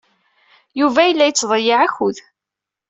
Yuba yella yettḍeyyiɛ akud.